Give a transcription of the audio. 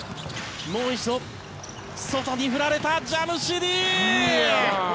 もう一度外に振られたジャムシディ。